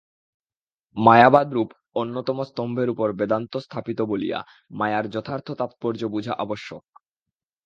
মায়াবাদ-রূপ অন্যতম স্তম্ভের উপর বেদান্ত স্থাপিত বলিয়া মায়ার যথার্থ তাৎপর্য বুঝা আবশ্যক।